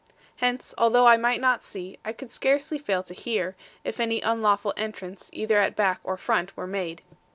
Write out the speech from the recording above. Hence, although I might not see, I could scarcely fail to hear, if any unlawful entrance either at back or front were made.